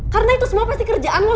karena itu semua pasti kerjaan lo